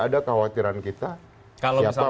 ada khawatiran kita siapa